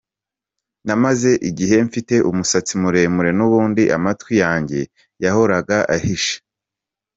Namaze igihe mfite umusatsi muremure n’ubundi amatwi yanjye yahoraga ahishe.